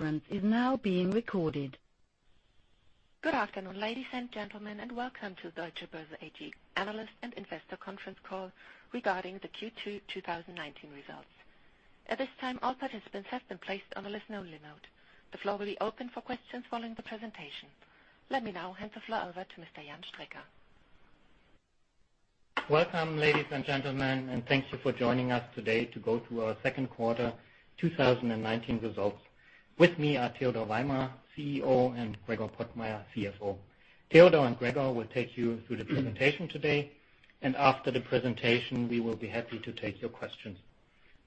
Conference is now being recorded. Good afternoon, ladies and gentlemen, welcome to Deutsche Börse AG analyst and investor conference call regarding the Q3 2019 results. At this time, all participants have been placed on a listen only mode. The floor will be open for questions following the presentation. Let me now hand the floor over to Mr. Jan Strecker. Welcome, ladies and gentlemen, and thank you for joining us today to go through our second quarter 2019 results. With me are Theodor Weimer, CEO, and Gregor Pottmeyer, CFO. Theodor and Gregor will take you through the presentation today. After the presentation, we will be happy to take your questions.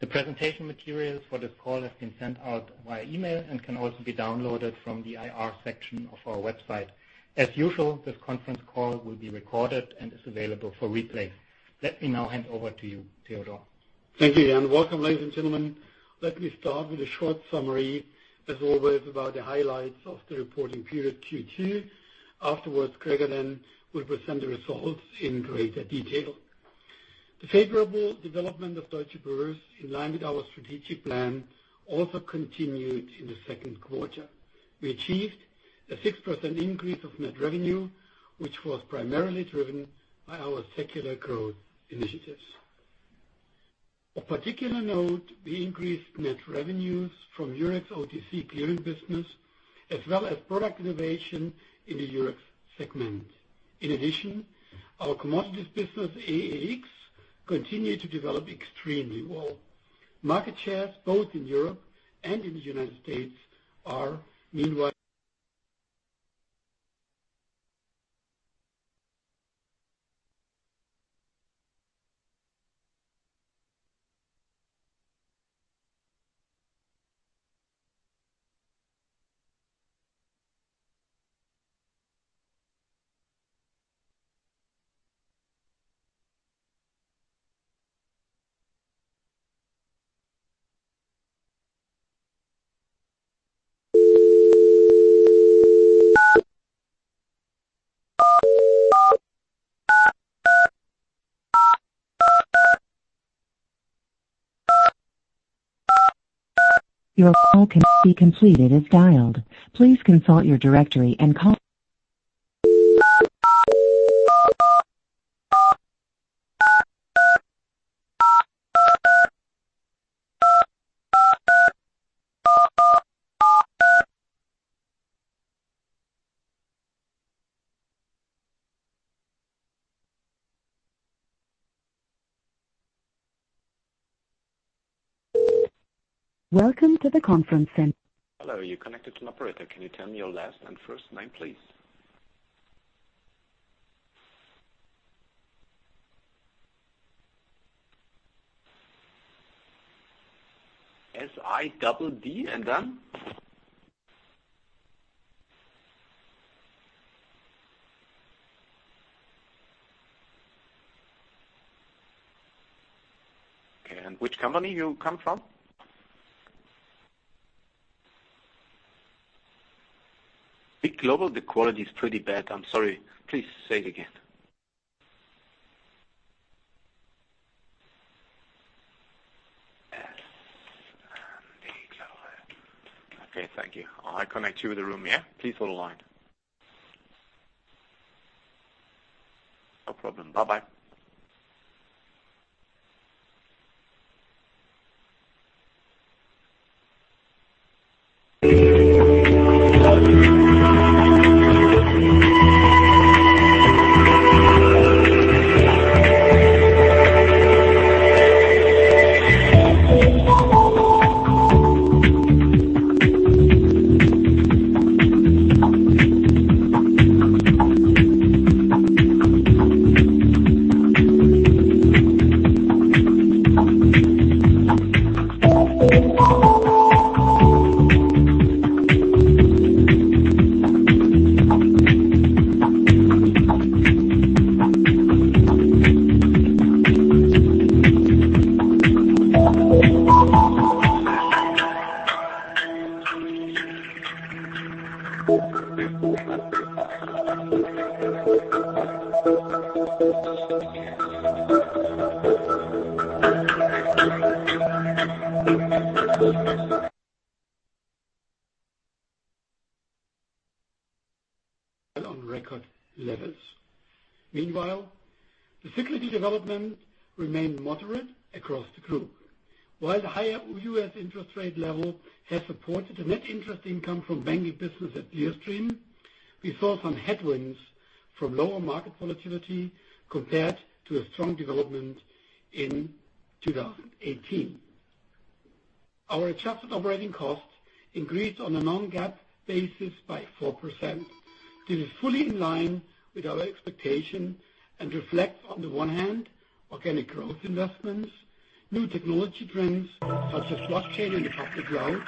The presentation materials for this call have been sent out via email and can also be downloaded from the IR section of our website. As usual, this conference call will be recorded and is available for replay. Let me now hand over to you, Theodor. Thank you, Jan. Welcome, ladies and gentlemen. Let me start with a short summary, as always, about the highlights of the reporting period Q2. Afterwards, Gregor then will present the results in greater detail. The favorable development of Deutsche Börse, in line with our strategic plan, also continued in the second quarter. We achieved a 6% increase of net revenue, which was primarily driven by our secular growth initiatives. Of particular note, we increased net revenues from Eurex OTC clearing business, as well as product innovation in the Eurex segment. In addition, our commodities business, EEX, continued to develop extremely well. Market shares both in Europe and in the United States are meanwhile. Your call cannot be completed as dialed. Please consult your directory. Welcome to the conference center. On record levels. Meanwhile, the cyclical development remained moderate across the group. While the higher U.S. interest rate level has supported the net interest income from banking business at Clearstream, we saw some headwinds from lower market volatility compared to a strong development in 2018. Our adjusted operating costs increased on a non-GAAP basis by 4%. This is fully in line with our expectation and reflects, on the one hand, organic growth investments, new technology trends such as blockchain and public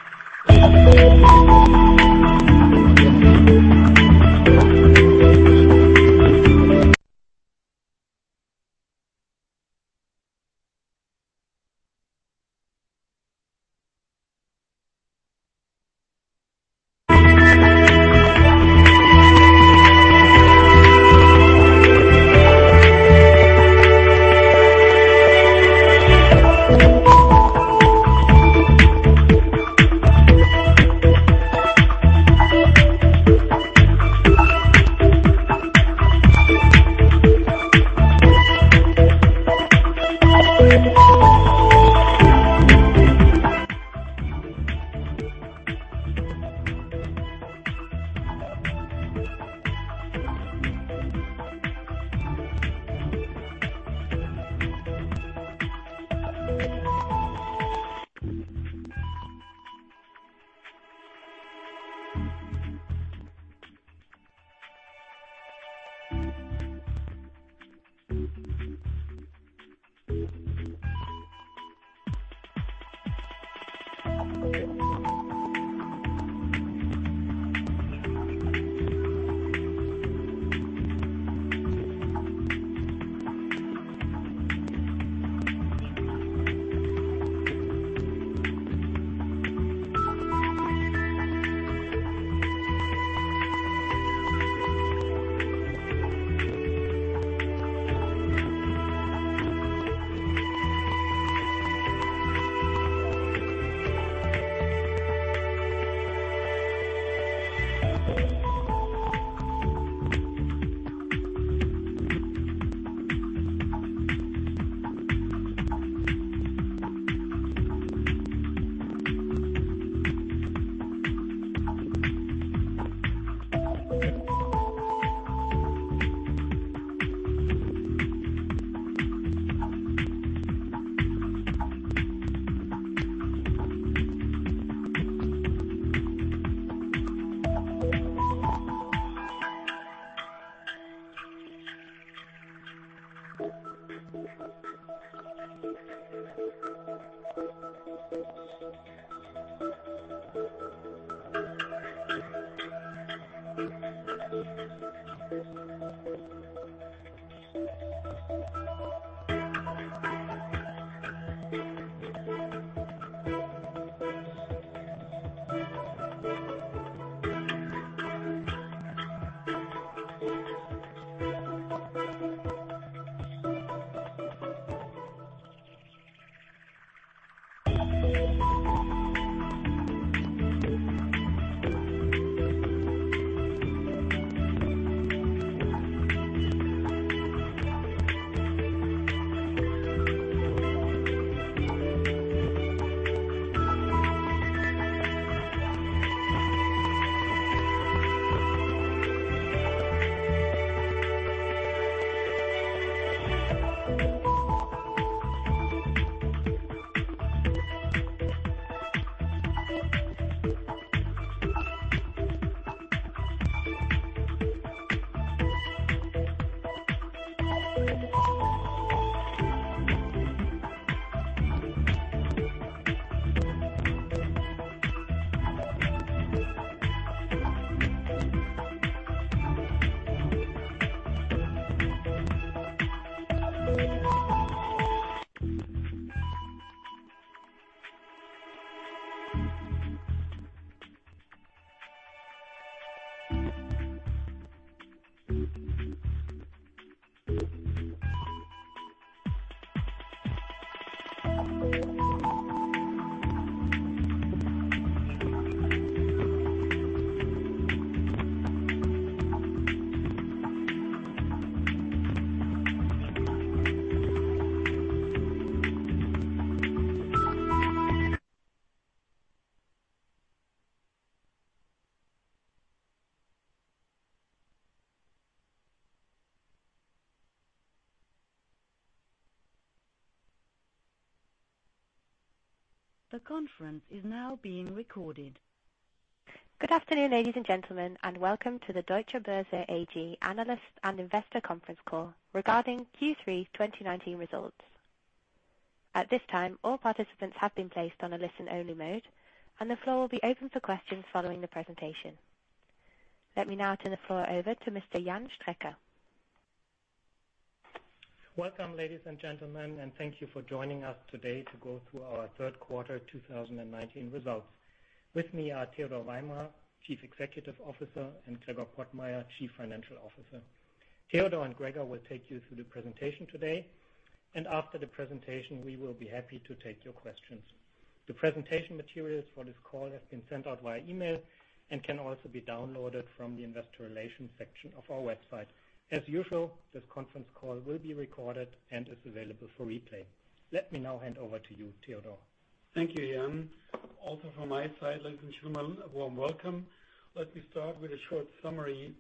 cloud- The conference is now being recorded. Good afternoon, ladies and gentlemen, welcome to the Deutsche Börse AG analyst and investor conference call regarding Q3 2019 results. At this time, all participants have been placed on a listen-only mode, and the floor will be open for questions following the presentation. Let me now turn the floor over to Mr. Jan Strecker. Welcome, ladies and gentlemen, thank you for joining us today to go through our third quarter 2019 results. With me are Theodor Weimer, Chief Executive Officer, and Gregor Pottmeyer, Chief Financial Officer. Theodor and Gregor will take you through the presentation today. After the presentation, we will be happy to take your questions. The presentation materials for this call have been sent out via email and can also be downloaded from the investor relations section of our website. As usual, this conference call will be recorded and is available for replay. Let me now hand over to you, Theodor. Thank you, Jan. Also from my side, ladies and gentlemen, a warm welcome. Let me start with a short summary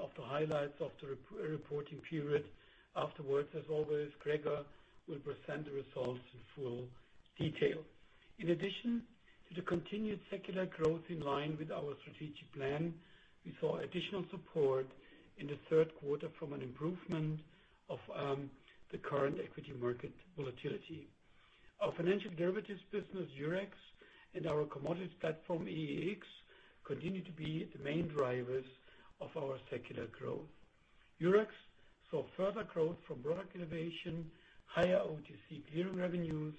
of the highlights of the reporting period. Afterwards, as always, Gregor will present the results in full detail. In addition to the continued secular growth in line with our strategic plan, we saw additional support in the third quarter from an improvement of the current equity market volatility. Our financial derivatives business, Eurex, and our commodities platform, EEX, continue to be the main drivers of our secular growth. Eurex saw further growth from product innovation, higher OTC clearing revenues,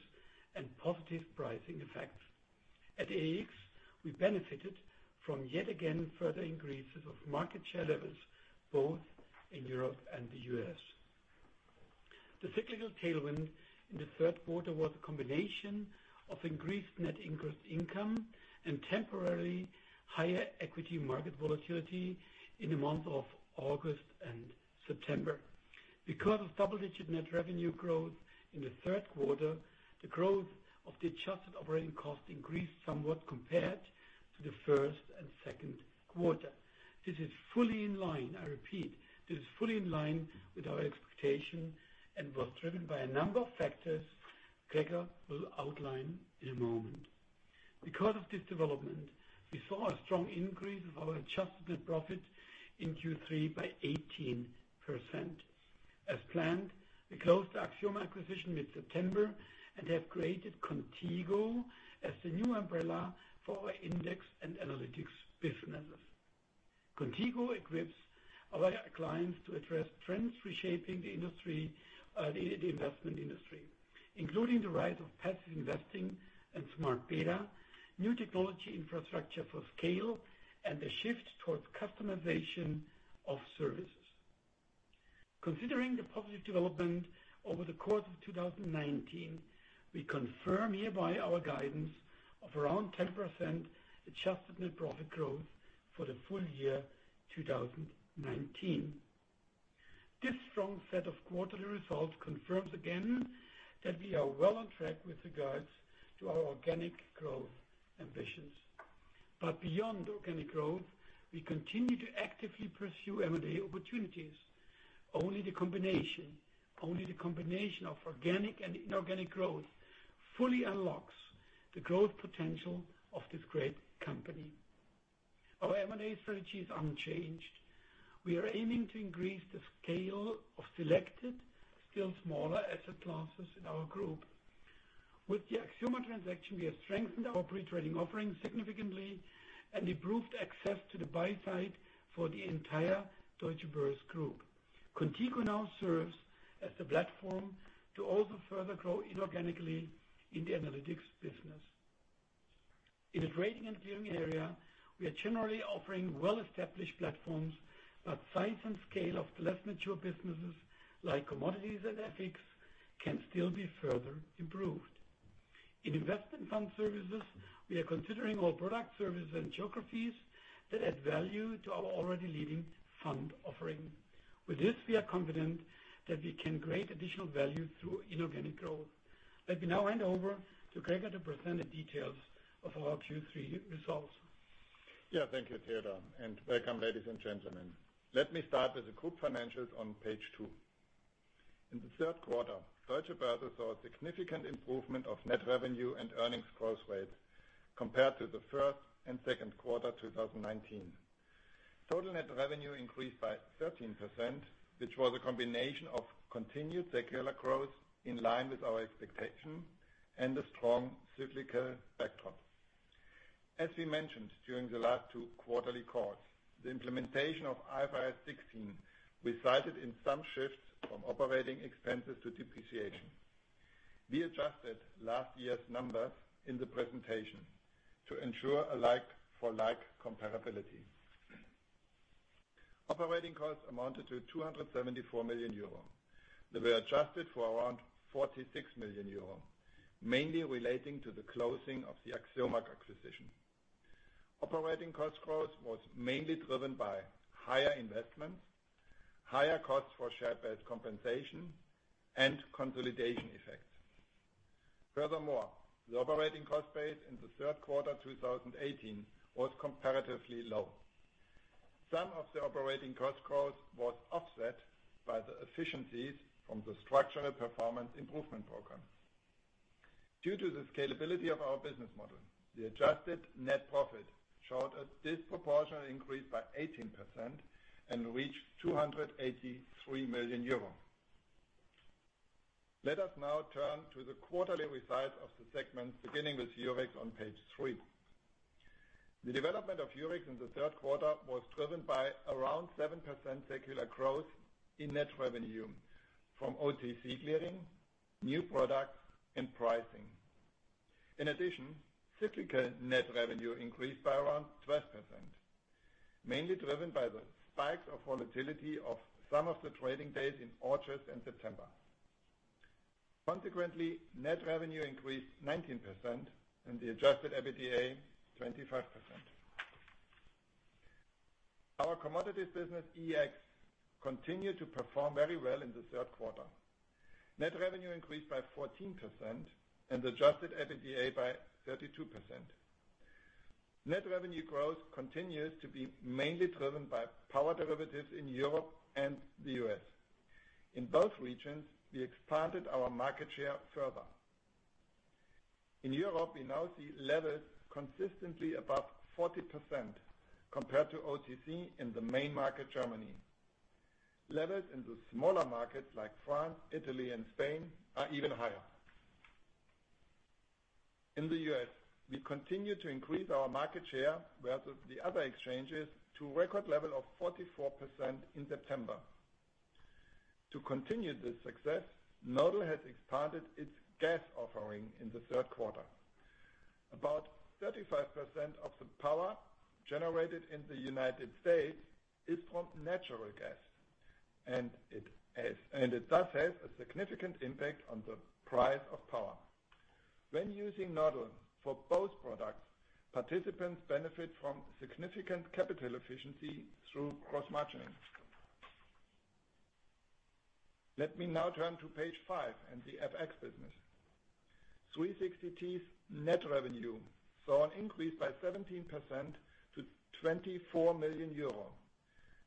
and positive pricing effects. At EEX, we benefited from, yet again, further increases of market share levels both in Europe and the U.S. The cyclical tailwind in the third quarter was a combination of increased net interest income and temporarily higher equity market volatility in the months of August and September. Because of double-digit net revenue growth in the third quarter, the growth of the adjusted operating cost increased somewhat compared to the first and second quarter. This is fully in line, I repeat, this is fully in line with our expectation and was driven by a number of factors Gregor will outline in a moment. Because of this development, we saw a strong increase of our adjusted net profit in Q3 by 18%. As planned, we closed the Axioma acquisition mid-September and have created Qontigo as the new umbrella for our index and analytics businesses. Qontigo equips our clients to address trends reshaping the investment industry, including the rise of passive investing and smart beta, new technology infrastructure for scale, and the shift towards customization of services. Considering the positive development over the course of 2019, we confirm hereby our guidance of around 10% adjusted net profit growth for the full year 2019. This strong set of quarterly results confirms again that we are well on track with regards to our organic growth ambitions. Beyond organic growth, we continue to actively pursue M&A opportunities. Only the combination of organic and inorganic growth fully unlocks the growth potential of this great company. Our M&A strategy is unchanged. We are aiming to increase the scale of selected, still smaller asset classes in our Group. With the Axioma transaction, we have strengthened our pre-trading offering significantly and improved access to the buy side for the entire Deutsche Börse Group. Qontigo now serves as the platform to also further grow inorganically in the analytics business. In the trading and clearing area, we are generally offering well-established platforms, but size and scale of less mature businesses like commodities and FX can still be further improved. In investment fund services, we are considering all product service and geographies that add value to our already leading fund offering. With this, we are confident that we can create additional value through inorganic growth. Let me now hand over to Gregor to present the details of our Q3 results. Thank you, Theodor, and welcome, ladies and gentlemen. Let me start with the group financials on page two. In the third quarter, Deutsche Börse saw a significant improvement of net revenue and earnings growth rates compared to the first and second quarter 2019. Total net revenue increased by 13%, which was a combination of continued secular growth in line with our expectation and a strong cyclical backdrop. As we mentioned during the last two quarterly calls, the implementation of IFRS 16 resulted in some shifts from operating expenses to depreciation. We adjusted last year's numbers in the presentation to ensure a like for like comparability. Operating costs amounted to 274 million euro. They were adjusted for around 46 million euro, mainly relating to the closing of the Axioma acquisition. Operating cost growth was mainly driven by higher investments, higher costs for share-based compensation, and consolidation effects. Furthermore, the operating cost base in the third quarter 2018 was comparatively low. Some of the operating cost growth was offset by the efficiencies from the structural Performance Improvement Program. Due to the scalability of our business model, the adjusted net profit showed a disproportionate increase by 18% and reached 283 million euros. Let us now turn to the quarterly results of the segments, beginning with Eurex on page three. The development of Eurex in the third quarter was driven by around 7% secular growth in net revenue from OTC clearing, new products, and pricing. In addition, cyclical net revenue increased by around 12%, mainly driven by the spikes of volatility of some of the trading days in August and September. Consequently, net revenue increased 19% and the adjusted EBITDA 25%. Our commodities business, EEX, continued to perform very well in the third quarter. Net revenue increased by 14% and adjusted EBITDA by 32%. Net revenue growth continues to be mainly driven by power derivatives in Europe and the U.S. In both regions, we expanded our market share further. In Europe, we now see levels consistently above 40% compared to OTC in the main market, Germany. Levels in the smaller markets like France, Italy, and Spain are even higher. In the U.S., we continue to increase our market share versus the other exchanges to a record level of 44% in September. To continue this success, Nodal has expanded its gas offering in the third quarter. About 35% of the power generated in the United States is from natural gas, and it does have a significant impact on the price of power. When using Nodal for both products, participants benefit from significant capital efficiency through cross-margining. Let me now turn to page five and the FX business. 360T's net revenue saw an increase by 17% to 24 million euro.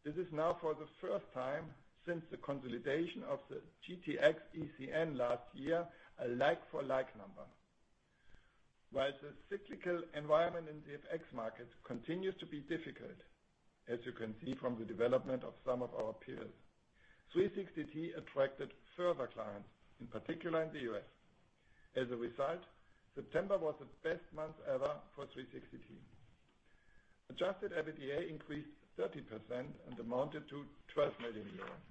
This is now for the first time since the consolidation of the GTX ECN last year, a like-for-like number. While the cyclical environment in the FX market continues to be difficult, as you can see from the development of some of our peers, 360T attracted further clients, in particular in the U.S. As a result, September was the best month ever for 360T. Adjusted EBITDA increased 30% and amounted to 12 million euros.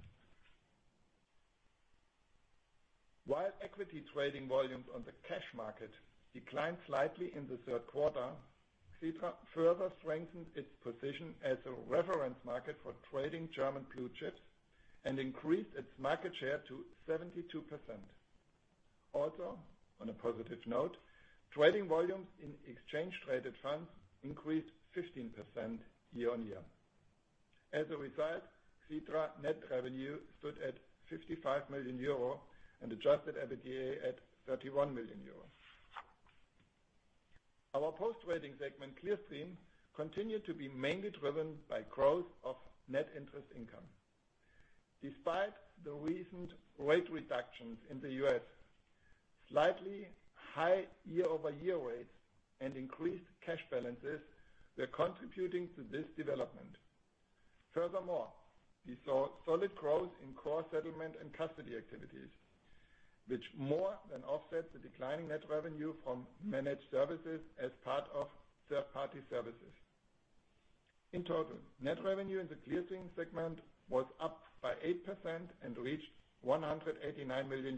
While equity trading volumes on the cash market declined slightly in the third quarter, Xetra further strengthened its position as a reference market for trading German blue chips and increased its market share to 72%. Also, on a positive note, trading volumes in exchange-traded funds increased 15% year-on-year. As a result, Xetra net revenue stood at €55 million and adjusted EBITDA at €31 million. Our post-trading segment, Clearstream, continued to be mainly driven by growth of net interest income. Despite the recent rate reductions in the U.S., slightly high year-over-year rates and increased cash balances were contributing to this development. We saw solid growth in core settlement and custody activities, which more than offset the declining net revenue from managed services as part of third-party services. In total, net revenue in the Clearstream segment was up by 8% and reached €189 million.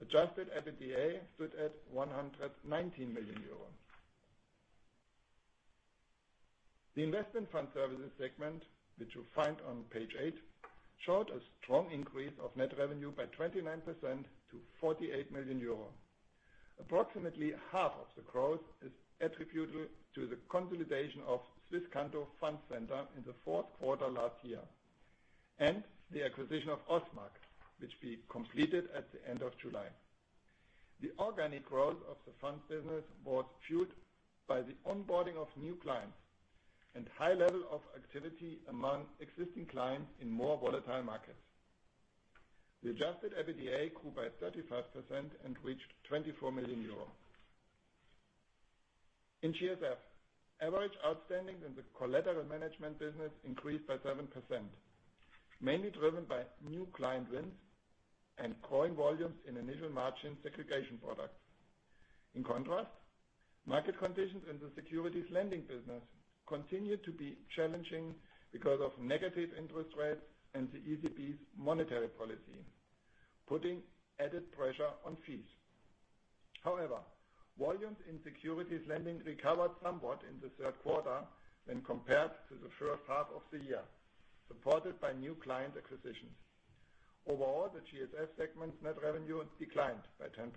Adjusted EBITDA stood at €119 million. The investment fund services segment, which you'll find on page eight, showed a strong increase of net revenue by 29% to €48 million. Approximately half of the growth is attributable to the consolidation of Swisscanto Fund Centre in the fourth quarter last year and the acquisition of Ausmaq, which we completed at the end of July. The organic growth of the funds business was fueled by the onboarding of new clients and high level of activity among existing clients in more volatile markets. The adjusted EBITDA grew by 35% and reached 24 million euro. In GSF, average outstanding in the collateral management business increased by 7%, mainly driven by new client wins and growing volumes in initial margin segregation products. In contrast, market conditions in the securities lending business continued to be challenging because of negative interest rates and the ECB's monetary policy, putting added pressure on fees. However, volumes in securities lending recovered somewhat in the third quarter when compared to the first half of the year, supported by new client acquisitions. Overall, the GSF segment net revenue declined by 10%.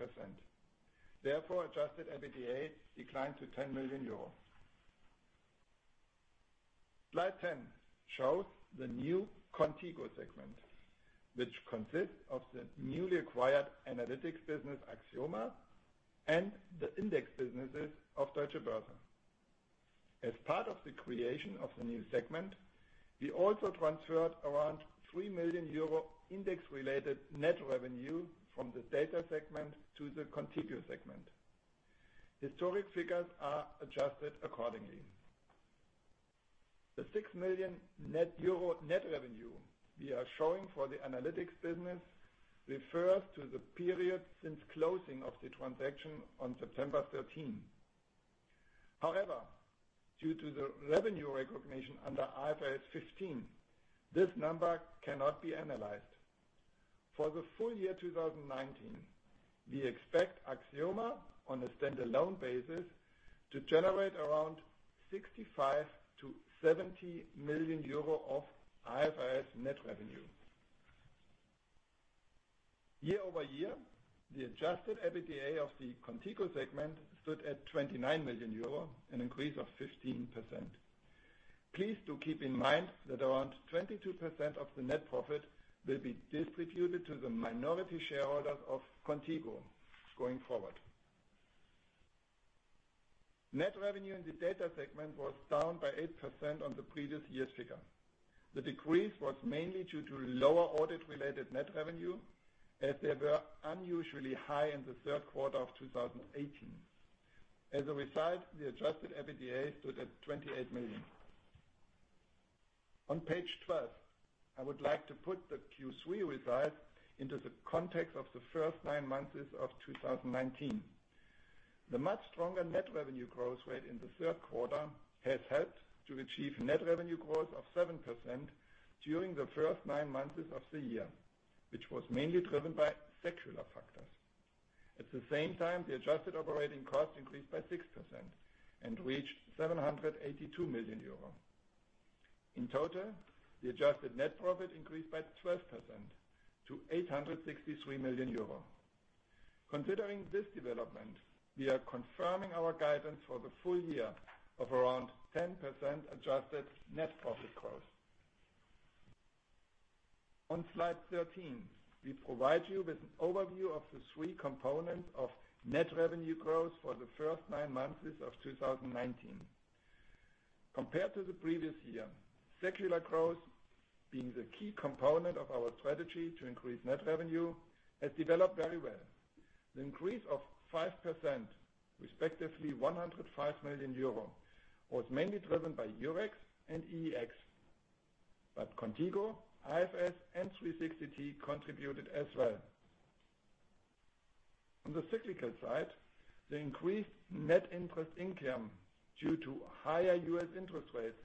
Therefore, adjusted EBITDA declined to 10 million euros. Slide 10 shows the new Qontigo segment, which consists of the newly acquired analytics business, Axioma, and the index businesses of Deutsche Börse. As part of the creation of the new segment, we also transferred around 3 million euro index-related net revenue from the data segment to the Qontigo segment. Historic figures are adjusted accordingly. The 6 million euro net revenue we are showing for the analytics business refers to the period since closing of the transaction on September 13. However, due to the revenue recognition under IFRS 15, this number cannot be analyzed. For the full year 2019, we expect Axioma on a standalone basis to generate around 65 million-70 million euro of IFRS net revenue. Year-over-year, the adjusted EBITDA of the Qontigo segment stood at 29 million euro, an increase of 15%. Please do keep in mind that around 22% of the net profit will be distributed to the minority shareholders of Qontigo going forward. Net revenue in the data segment was down by 8% on the previous year's figure. The decrease was mainly due to lower audit-related net revenue, as they were unusually high in the third quarter of 2018. As a result, the adjusted EBITDA stood at 28 million. On page 12, I would like to put the Q3 result into the context of the first nine months of 2019. The much stronger net revenue growth rate in the third quarter has helped to achieve net revenue growth of 7% during the first nine months of the year, which was mainly driven by secular factors. At the same time, the adjusted operating costs increased by 6% and reached 782 million euro. In total, the adjusted net profit increased by 12% to 863 million euro. Considering this development, we are confirming our guidance for the full year of around 10% adjusted net profit growth. On slide 13, we provide you with an overview of the three components of net revenue growth for the first nine months of 2019. Compared to the previous year, secular growth, being the key component of our strategy to increase net revenue, has developed very well. The increase of 5%, respectively 105 million euro, was mainly driven by Eurex and EEX, but Qontigo, IFRS, and 360T contributed as well. On the cyclical side, the increased net interest income due to higher U.S. interest rates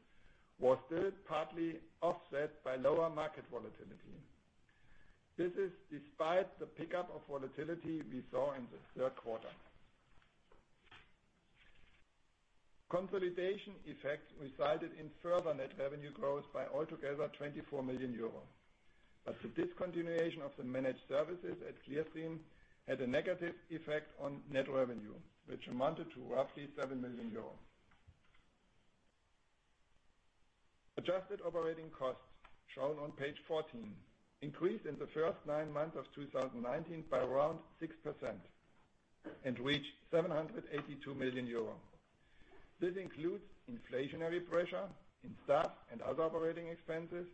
was still partly offset by lower market volatility. This is despite the pickup of volatility we saw in the third quarter. Consolidation effect resulted in further net revenue growth by altogether 24 million euro. The discontinuation of the managed services at Clearstream had a negative effect on net revenue, which amounted to roughly 7 million euros. Adjusted operating costs, shown on page 14, increased in the first nine months of 2019 by around 6% and reached EUR 782 million. This includes inflationary pressure in staff and other operating expenses,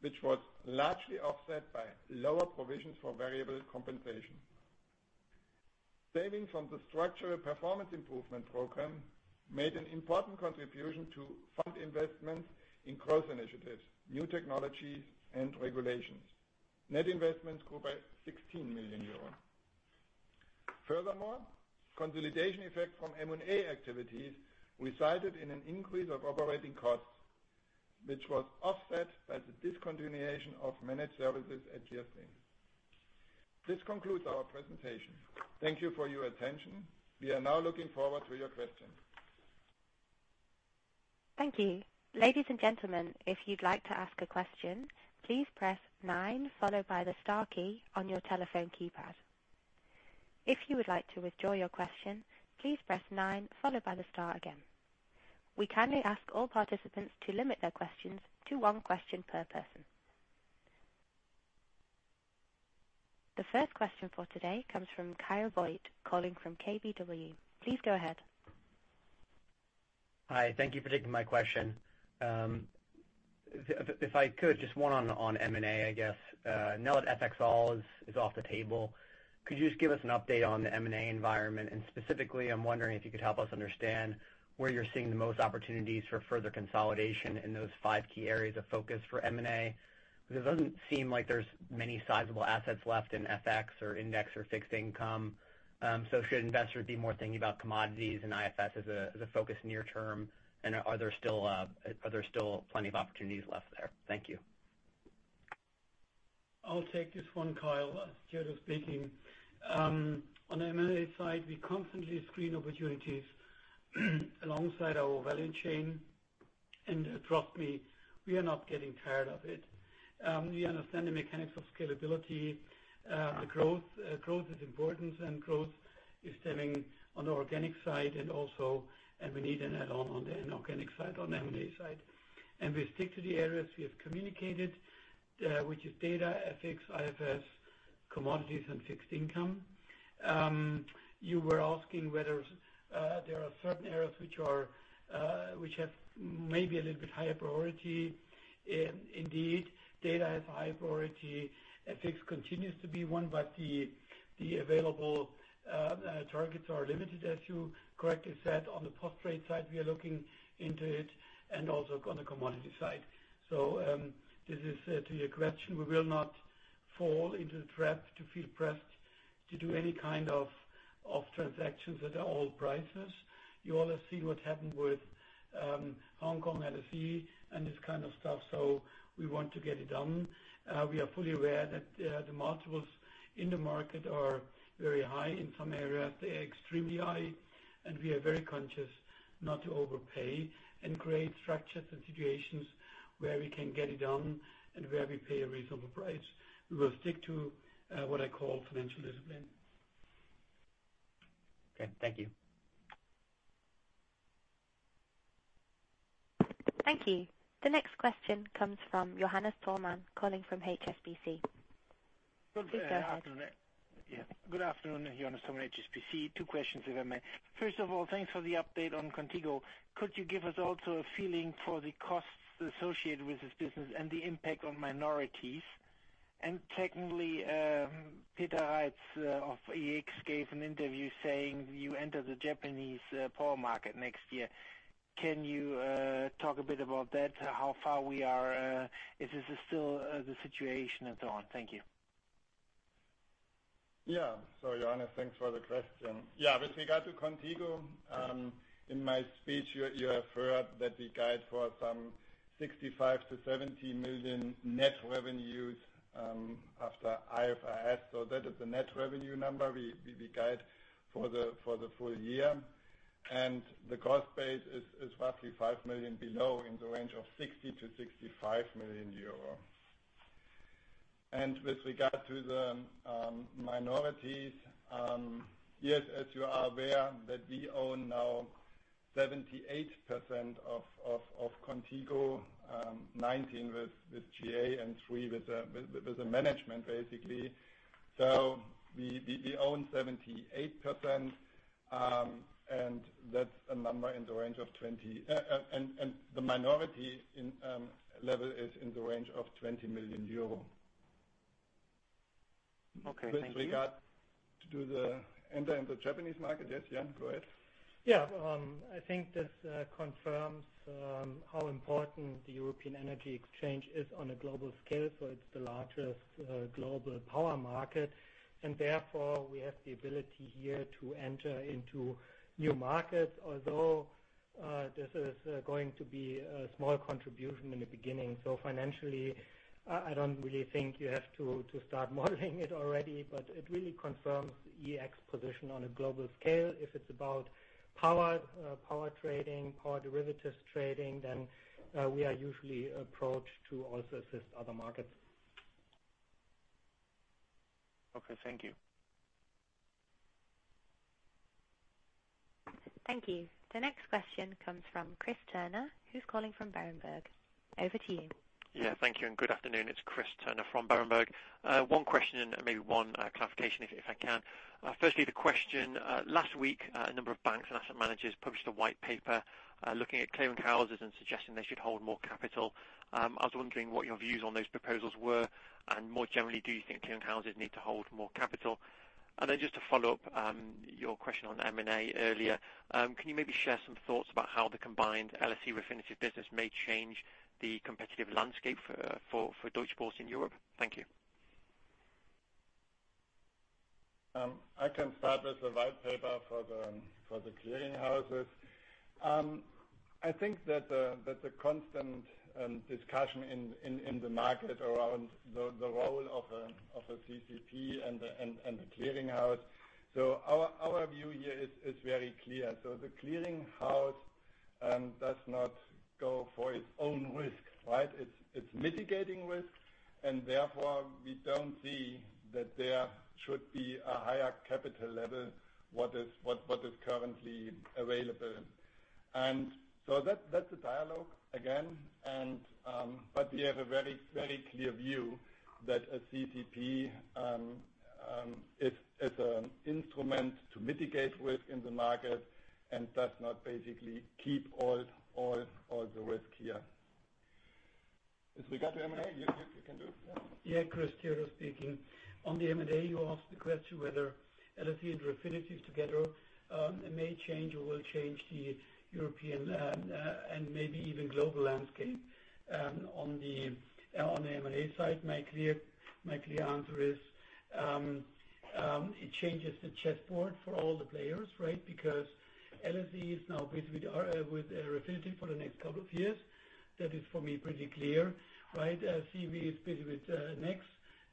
which was largely offset by lower provisions for variable compensation. Savings from the structural performance improvement program made an important contribution to fund investments in growth initiatives, new technology, and regulations. Net investments grew by 16 million euros. Consolidation effect from M&A activities resulted in an increase of operating costs, which was offset by the discontinuation of managed services at Clearstream. This concludes our presentation. Thank you for your attention. We are now looking forward to your questions. Thank you. Ladies and gentlemen, if you'd like to ask a question, please press Nine, followed by the Star key on your telephone keypad. If you would like to withdraw your question, please press Nine, followed by the Star again. We kindly ask all participants to limit their questions to one question per person. The first question for today comes from Kyle Voigt, calling from KBW. Please go ahead. Hi. Thank you for taking my question. If I could, just one on M&A, I guess. Now that FXall is off the table, could you just give us an update on the M&A environment? Specifically, I'm wondering if you could help us understand where you're seeing the most opportunities for further consolidation in those five key areas of focus for M&A. It doesn't seem like there's many sizable assets left in FX or index or fixed income. Should investors be more thinking about commodities and IFRS as a focus near term? Are there still plenty of opportunities left there? Thank you. I'll take this one, Kyle. Theodor speaking. On the M&A side, we constantly screen opportunities alongside our value chain. Trust me, we are not getting tired of it. We understand the mechanics of scalability. Growth is important, and growth is stemming on the organic side and we need an add-on on the inorganic side, on M&A side. We stick to the areas we have communicated, which is data, FX, IFRS, commodities, and fixed income. You were asking whether there are certain areas which have maybe a little bit higher priority. Indeed, data has a high priority. FX continues to be one, but the available targets are limited, as you correctly said. On the post-trade side, we are looking into it, and also on the commodity side. This is to your question, we will not fall into the trap to feel pressed to do any kind of transactions that are overpriced. You all have seen what happened with Hong Kong and LSE and this kind of stuff. We want to get it done. We are fully aware that the multiples in the market are very high. In some areas, they are extremely high, and we are very conscious not to overpay and create structures and situations where we can get it done and where we pay a reasonable price. We will stick to what I call financial discipline. Okay. Thank you. Thank you. The next question comes from Johannes Tholmann, calling from HSBC. Please go ahead. Good afternoon. Johannes Tholmann, HSBC. Two questions, if I may. First of all, thanks for the update on Qontigo. Could you give us also a feeling for the costs associated with this business and the impact on minorities? Secondly, Peter Reitze of EEX gave an interview saying you enter the Japanese power market next year. Can you talk a bit about that? How far we are, is this still the situation, and so on? Thank you. Johannes, thanks for the question. With regard to Qontigo, in my speech, you have heard that we guide for some 65 million-70 million net revenues after IFRS. That is the net revenue number we guide for the full year. The cost base is roughly 5 million below in the range of 60 million-65 million euro. With regard to the minorities, yes, as you are aware that we own now 78% of Qontigo, 19 with GA and three with the management, basically. We own 78%, and the minority level is in the range of EUR 20 million. Okay. Thank you. With regard to enter in the Japanese market, yes, Jan, go ahead. Yeah. I think this confirms how important the European Energy Exchange is on a global scale. It's the largest global power market, and therefore we have the ability here to enter into new markets, although this is going to be a small contribution in the beginning. Financially, I don't really think you have to start modeling it already, but it really confirms EEX position on a global scale. If it's about power trading, power derivatives trading, then we are usually approached to also assist other markets. Okay, thank you. Thank you. The next question comes from Chris Turner, who's calling from Berenberg. Over to you. Yeah. Thank you. Good afternoon. It's Chris Turner from Berenberg. One question. Maybe one clarification, if I can. Firstly, the question, last week, a number of banks and asset managers published a white paper looking at clearing houses and suggesting they should hold more capital. I was wondering what your views on those proposals were. More generally, do you think clearing houses need to hold more capital? Just to follow up your question on M&A earlier, can you maybe share some thoughts about how the combined LSE-Refinitiv business may change the competitive landscape for Deutsche Börse in Europe? Thank you. I can start with the white paper for the clearing houses. I think that the constant discussion in the market around the role of a CCP and the clearing house. Our view here is very clear. The clearing house does not go for its own risk, right? It's mitigating risk, and therefore we don't see that there should be a higher capital level, what is currently available. That's the dialogue again. We have a very clear view that a CCP is an instrument to mitigate risk in the market and does not basically keep all the risk here. With regard to M&A, you can do it, Jan. Yeah, Chris, Theodor speaking. On the M&A, you asked the question whether LSE and Refinitiv together may change or will change the European and maybe even global landscape. On the M&A side, my clear answer is, it changes the chessboard for all the players, right? Because LSE is now busy with Refinitiv for the next couple of years. That is, for me, pretty clear, right? CME is busy with NEX,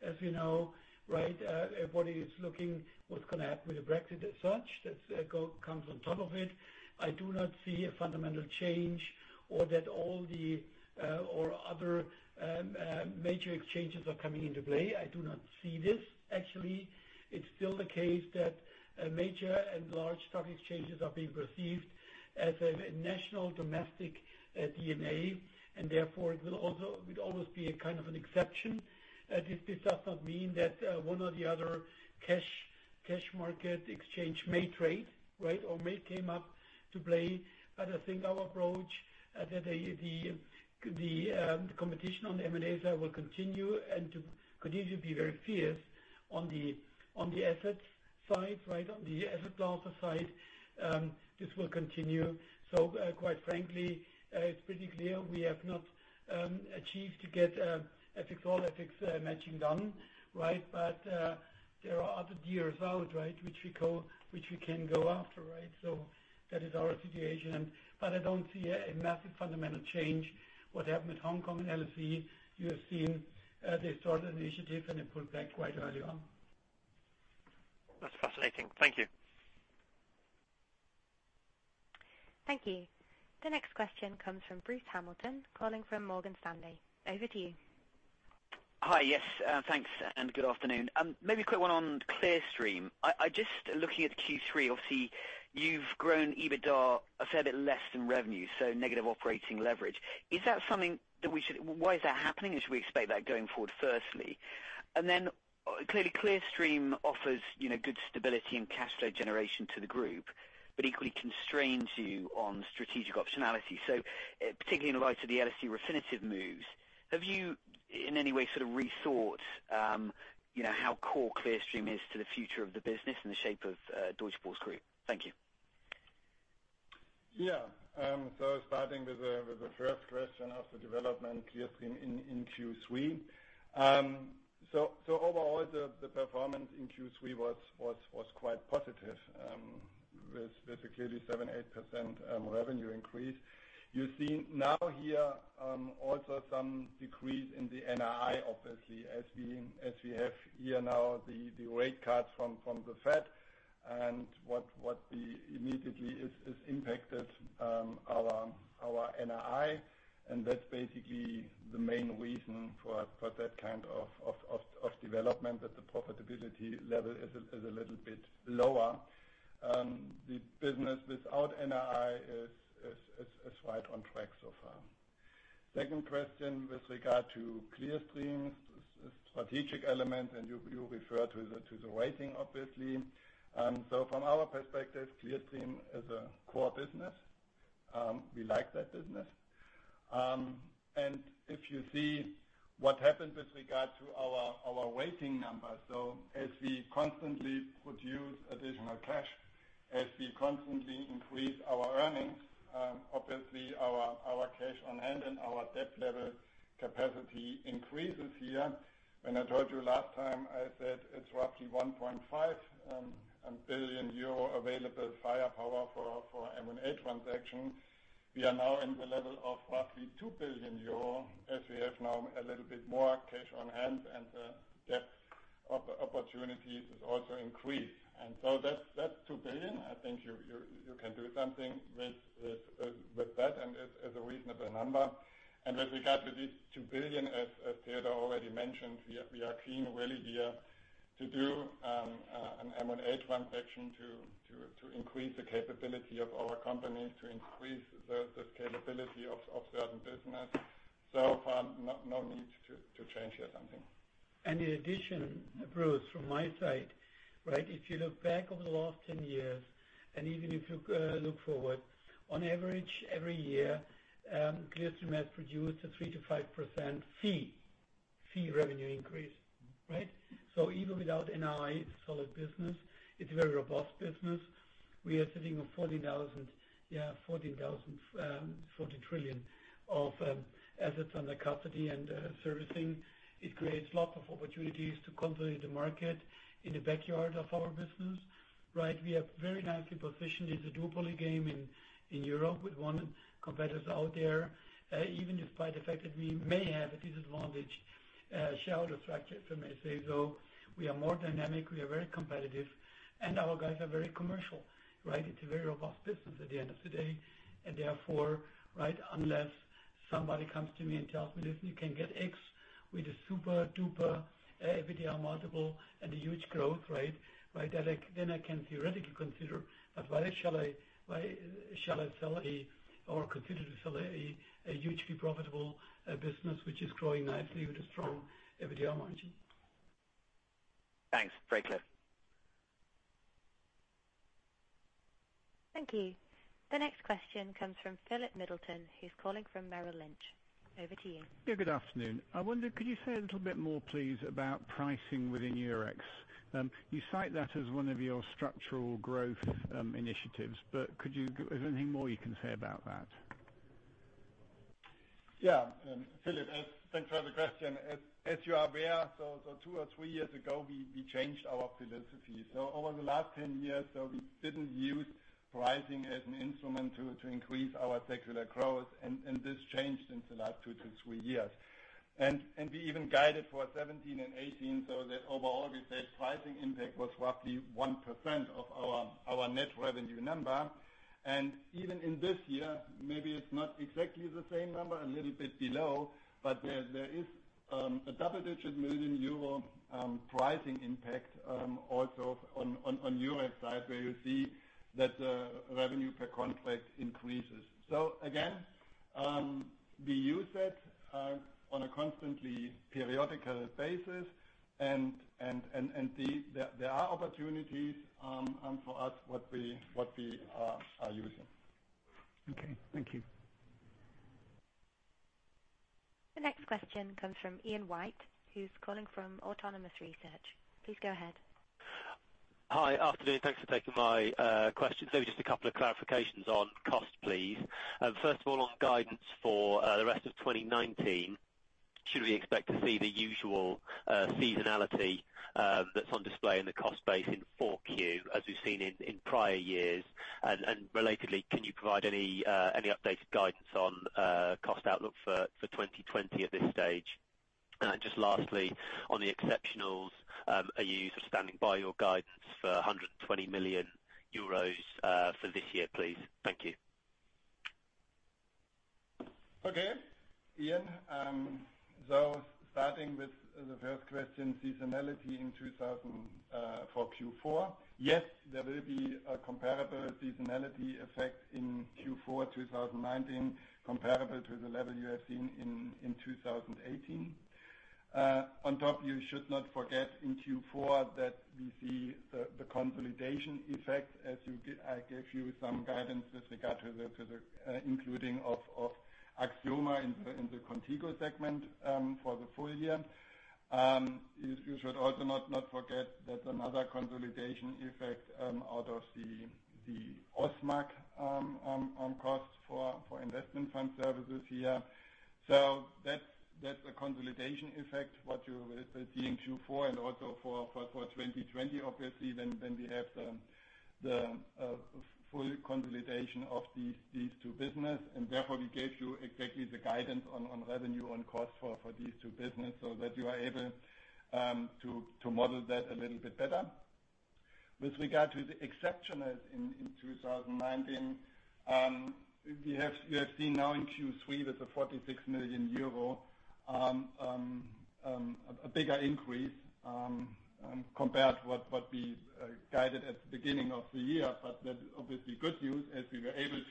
as you know, right? Everybody is looking what's going to happen with the Brexit as such. That comes on top of it. I do not see a fundamental change or that all the other major exchanges are coming into play. I do not see this. Actually, it's still the case that major and large stock exchanges are being perceived as a national domestic DNA, and therefore, it will almost be a kind of an exception. This does not mean that one or the other cash market exchange may trade, right, or may come up to play. I think our approach, the competition on the M&A side will continue and continue to be very fierce on the asset side, right, on the asset class side. This will continue. Quite frankly, it is pretty clear we have not achieved to get FX matching done, right. There are other gears out, right, which we can go after, right. That is our situation. I don't see a massive fundamental change. What happened with Hong Kong and LSE, you have seen they started an initiative, and they pulled back quite early on. That's fascinating. Thank you. Thank you. The next question comes from Bruce Hamilton, calling from Morgan Stanley. Over to you. Hi. Yes. Thanks, and good afternoon. Maybe a quick one on Clearstream. I just looking at Q3, obviously, you've grown EBITDA a fair bit less than revenue, so negative operating leverage. Why is that happening, and should we expect that going forward, firstly? Clearly, Clearstream offers good stability and cash flow generation to the group, but equally constrains you on strategic optionality. Particularly in the light of the LSE Refinitiv moves, have you in any way sort of rethought how core Clearstream is to the future of the business and the shape of Deutsche Börse Group? Thank you. Yeah. Starting with the first question of the development, Clearstream in Q3. Overall, the performance in Q3 was quite positive, with basically seven, 8% revenue increase. You see now here also some decrease in the NII, obviously, as we have here now the rate cut from the Fed and what immediately is impacted our NII, and that's basically the main reason for that kind of development, that the profitability level is a little bit lower. The business without NII is right on track so far. Second question with regard to Clearstream strategic element, and you refer to the rating, obviously. From our perspective, Clearstream is a core business. We like that business. If you see what happened with regard to our rating numbers, so as we constantly produce additional cash, as we constantly increase our earnings, obviously our cash on hand and our debt level capacity increases here. When I told you last time, I said it's roughly 1.5 billion euro available firepower for M&A transactions. We are now in the level of roughly 2 billion euro, as we have now a little bit more cash on hand, and the debt opportunity is also increased. That's 2 billion. I think you can do something with that, and it's a reasonable number. With regard to this 2 billion, as Theodor already mentioned, we are keen really here to do an M&A transaction to increase the capability of our company, to increase the scalability of certain business. So far, no need to change here something. In addition, Bruce, from my side, if you look back over the last 10 years, and even if you look forward, on average every year, Clearstream has produced a 3%-5% fee revenue increase. Even without NII, it's a solid business. It's a very robust business. We are sitting on 14 trillion of assets under custody and servicing. It creates lots of opportunities to consolidate the market in the backyard of our business. We are very nicely positioned. It's a duopoly game in Europe with one competitor out there, even despite the fact that we may have a disadvantage sharehold structure, if I may say so. We are more dynamic, we are very competitive, and our guys are very commercial. It's a very robust business at the end of the day. Therefore, unless somebody comes to me and tells me, listen, you can get X with a super-duper EBITDA multiple and a huge growth, then I can theoretically consider. Why shall I sell or consider to sell a hugely profitable business which is growing nicely with a strong EBITDA margin? Thanks. Very clear. Thank you. The next question comes from Philip Middleton, who's calling from BofA Securities. Over to you. Yeah, good afternoon. I wonder, could you say a little bit more, please, about pricing within Eurex? You cite that as one of your structural growth initiatives, but is there anything more you can say about that? Philip, thanks for the question. As you are aware, two or three years ago, we changed our philosophy. Over the last 10 years, we didn't use pricing as an instrument to increase our secular growth, and this changed in the last two to three years. We even guided for 2017 and 2018, that overall we said pricing impact was roughly 1% of our net revenue number. Even in this year, maybe it's not exactly the same number, a little bit below, but there is a double-digit million euro pricing impact also on Eurex side, where you see that the revenue per contract increases. Again, we use that on a constantly periodical basis, and there are opportunities for us what we are using. Okay. Thank you. The next question comes from Ian White, who's calling from Autonomous Research. Please go ahead. Hi. Afternoon. Thanks for taking my questions. Maybe just a couple of clarifications on cost, please. First of all, on guidance for the rest of 2019, should we expect to see the usual seasonality that's on display in the cost base in 4Q, as we've seen in prior years? Relatedly, can you provide any updated guidance on cost outlook for 2020 at this stage? Just lastly, on the exceptionals, are you standing by your guidance for 120 million euros for this year, please? Thank you. Okay, Ian, starting with the first question, seasonality for Q4. Yes, there will be a comparable seasonality effect in Q4 2019, comparable to the level you have seen in 2018. On top, you should not forget in Q4 that we see the consolidation effect as I gave you some guidance with regard to the including of Axioma in the Qontigo segment for the full year. You should also not forget that another consolidation effect out of the Ausmaq on cost for investment fund services here. That's a consolidation effect, what you will see in Q4 and also for 2020, obviously, when we have the full consolidation of these two business. Therefore, we gave you exactly the guidance on revenue, on cost for these two business so that you are able to model that a little bit better. With regard to the exception in 2019, you have seen now in Q3 that the 46 million euro, a bigger increase compared to what we guided at the beginning of the year. That obviously good news as we were able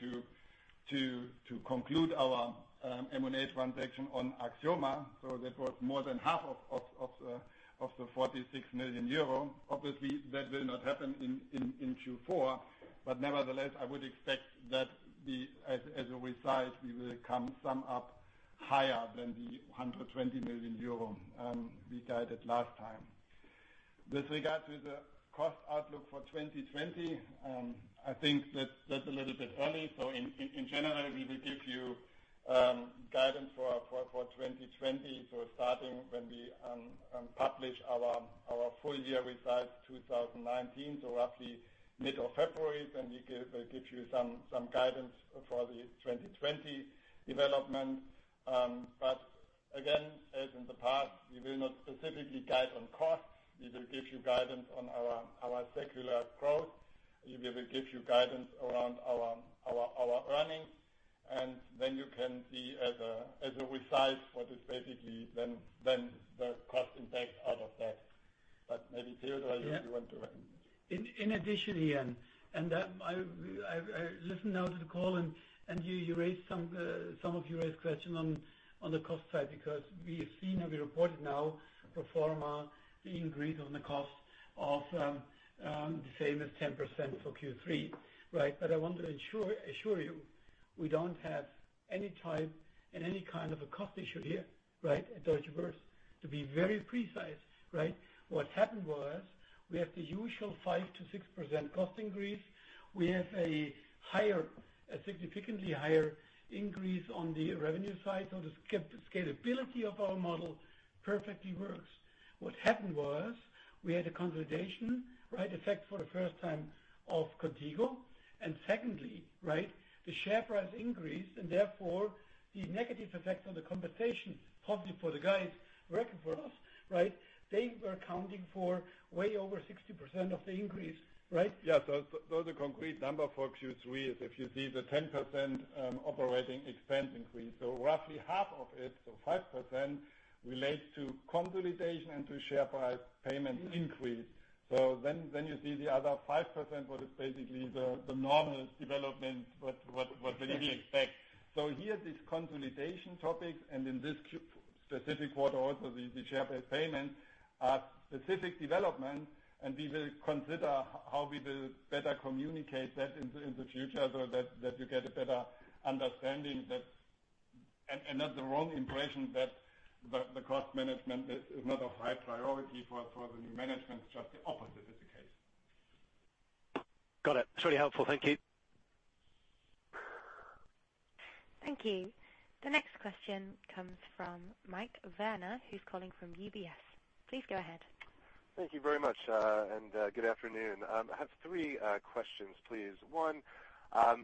to conclude our M&A transaction on Axioma. That was more than half of the 46 million euro. Obviously, that will not happen in Q4. Nevertheless, I would expect that as a result, we will come sum up higher than the 120 million euro we guided last time. With regard to the cost outlook for 2020, I think that's a little bit early. In general, we will give you guidance for 2020. Starting when we publish our full year results 2019, so roughly mid of February, then we give you some guidance for the 2020 development. Again, as in the past, we will not specifically guide on costs. We will give you guidance on our secular growth. We will give you guidance around our earnings, and then you can see as a result what is basically then the cost impact out of that. Maybe Theodor, you want to- In addition, Ian, and I listen now to the call and some of you raised question on the cost side, because we have seen and we reported now pro forma the increase on the cost of the same as 10% for Q3. I want to assure you, we don't have any time and any kind of a cost issue here at Deutsche Börse. To be very precise. What happened was we have the usual 5%-6% cost increase. We have a significantly higher increase on the revenue side. The scalability of our model perfectly works. What happened was we had a consolidation effect for the first time of Qontigo, and secondly the share price increased and therefore the negative effect on the compensation topic for the guys working for us. They were accounting for way over 60% of the increase. Yeah. The concrete number for Q3 is if you see the 10% operating expense increase, roughly half of it, 5%, relates to consolidation and to share price payment increase. You see the other 5%, what is basically the normal development, what will you expect. Here, this consolidation topic and in this specific quarter also, the share-based payments are specific development, and we will consider how we will better communicate that in the future so that you get a better understanding and not the wrong impression that the cost management is not of high priority for the new management. It's just the opposite is the case. Got it. It's really helpful. Thank you. Thank you. The next question comes from Michael Werner, who's calling from UBS. Please go ahead. Thank you very much. Good afternoon. I have three questions, please. One, I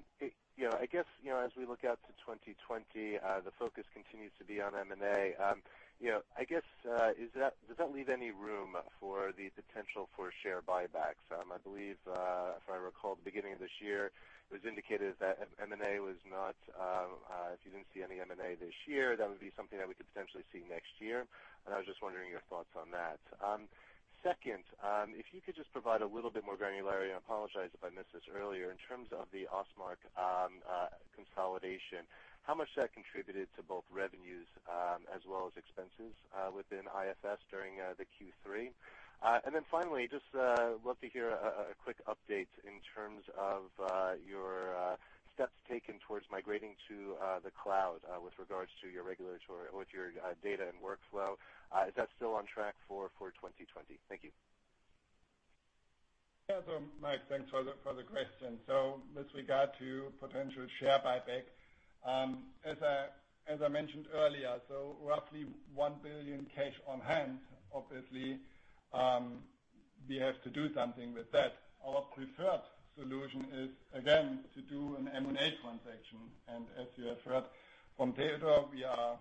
guess, as we look out to 2020, the focus continues to be on M&A. I guess, does that leave any room for the potential for share buybacks? I believe, if I recall at the beginning of this year, it was indicated that if you didn't see any M&A this year, that would be something that we could potentially see next year. I was just wondering your thoughts on that. Second, if you could just provide a little bit more granularity, and I apologize if I missed this earlier, in terms of the Ausmaq consolidation, how much that contributed to both revenues as well as expenses within IFS during the Q3? Finally, just love to hear a quick update in terms of your steps taken towards migrating to the cloud with regards to your regulatory data and workflow. Is that still on track for 2020? Thank you. Michael, thanks for the question. With regard to potential share buyback, as I mentioned earlier, roughly 1 billion cash on hand, obviously, we have to do something with that. Our preferred solution is again, to do an M&A transaction. As you have heard from Theodor, we are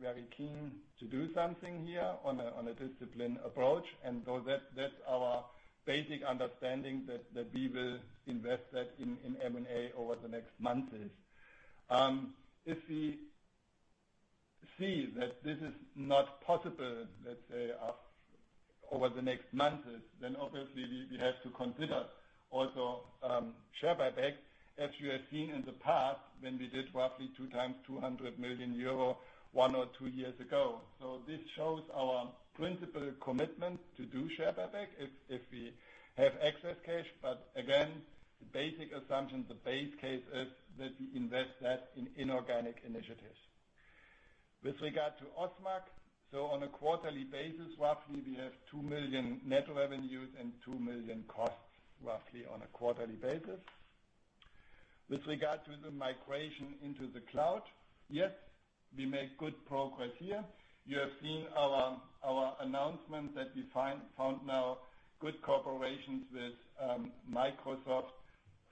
very keen to do something here on a discipline approach. That's our basic understanding that we will invest that in M&A over the next months. If we see that this is not possible, let's say over the next months, obviously we have to consider also share buyback as you have seen in the past when we did roughly two times 200 million euro one or 2 years ago. This shows our principal commitment to do share buyback if we have excess cash. The basic assumption, the base case is that we invest that in inorganic initiatives. With regard to Ausmaq, on a quarterly basis, roughly, we have 2 million net revenues and 2 million costs, roughly on a quarterly basis. With regard to the migration into the cloud, yes, we make good progress here. You have seen our announcement that we found now good cooperations with Microsoft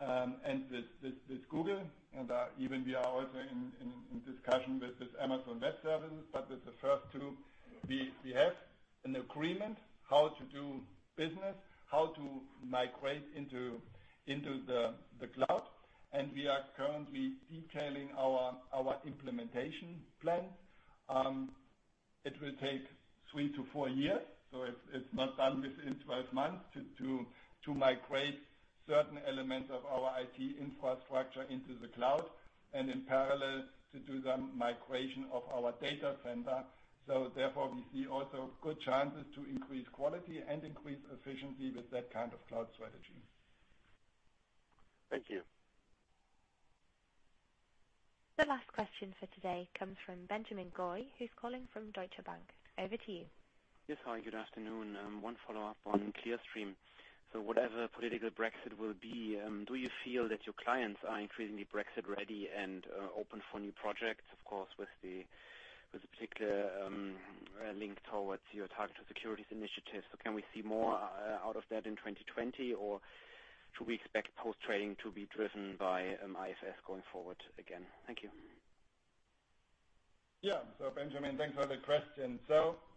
and with Google, we are also in discussion with Amazon Web Services, but with the first two, we have an agreement how to do business, how to migrate into the cloud. We are currently detailing our implementation plan. It will take three to four years, it's not done within 12 months to migrate certain elements of our IT infrastructure into the cloud, and in parallel to do the migration of our data center. Therefore, we see also good chances to increase quality and increase efficiency with that kind of cloud strategy. Thank you. The last question for today comes from Benjamin Goy, who is calling from Deutsche Bank. Over to you. Yes, hi, good afternoon. Whatever political Brexit will be, do you feel that your clients are increasingly Brexit ready and open for new projects, of course, with the particular link towards your Target2-Securities initiatives? Can we see more out of that in 2020, or should we expect post-trading to be driven by IFS going forward again? Thank you. Benjamin, thanks for the question.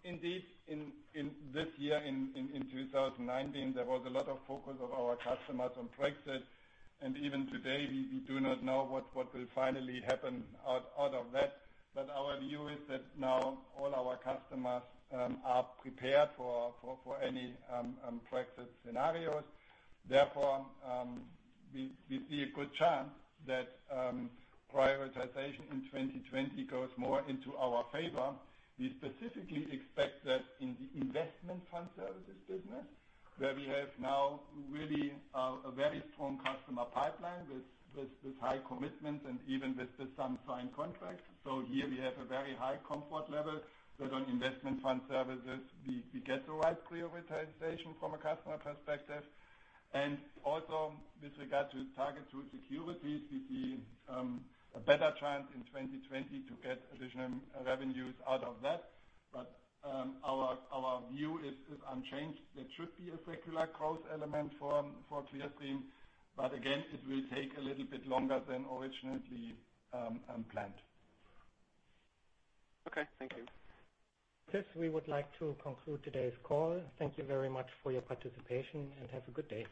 Indeed, in this year, in 2019, there was a lot of focus of our customers on Brexit, and even today, we do not know what will finally happen out of that. Our view is that now all our customers are prepared for any Brexit scenarios. Therefore, we see a good chance that prioritization in 2020 goes more into our favor. We specifically expect that in the investment fund services business, where we have now really a very strong customer pipeline with high commitment and even with some signed contracts. Here we have a very high comfort level that on investment fund services, we get the right prioritization from a customer perspective. Also with regard to Target2-Securities, we see a better chance in 2020 to get additional revenues out of that. Our view is unchanged. There should be a secular growth element for Clearstream, but again, it will take a little bit longer than originally planned. Okay. Thank you. With this, we would like to conclude today's call. Thank you very much for your participation, and have a good day.